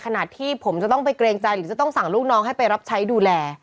ขนาดที่ผมจะต้องไปเกรงใจหรือจะต้องสั่งลูกน้องให้ไปรับใช้ดูแล